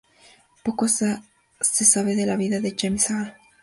Poco se sabe de la vida de James Hall.